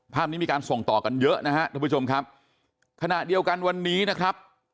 ภาพนี้มีการส่งต่อกันเยอะนะฮะท่านผู้ชมครับขณะเดียวกันวันนี้นะครับ